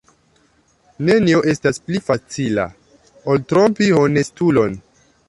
Nenio estas pli facila, ol trompi honestulon.